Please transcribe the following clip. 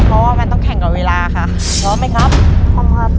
เพราะว่ามันต้องแข่งกับเวลาค่ะพร้อมไหมครับพร้อมครับ